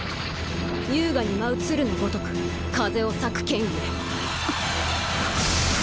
優雅に舞う鶴のごとく風を裂く剣ゆえ。